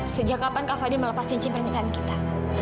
sejak kapan kak fadil melepas inci pernikahan kita